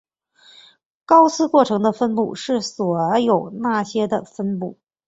高斯过程的分布是所有那些的分布。